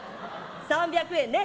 ３００円ね。